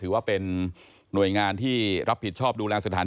ถือว่าเป็นหน่วยงานที่รับผิดชอบดูแลสถาน